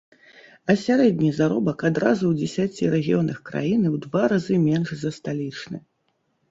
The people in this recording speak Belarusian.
А сярэдні заробак адразу ў дзесяці рэгіёнах краіны ў два разы менш за сталічны.